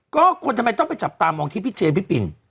ก็คนทำไมต้องไปจับตามองที่พี่เจพี่ปิ่น